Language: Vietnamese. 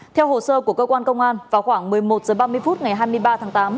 theo hồ sơ của cơ quan công an vào khoảng một mươi một h ba mươi phút ngày hai mươi ba tháng tám